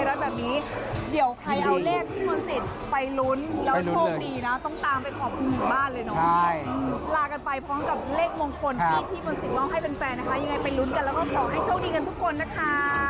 ยังไงไปลุ้นกันแล้วก็ขอให้โชคดีกันทุกคนนะคะ